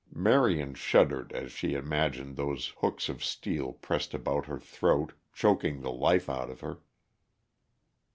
Marion shuddered as she imagined those hooks of steel pressed about her throat, choking the life out of her.